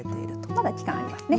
まだ期間がありますね。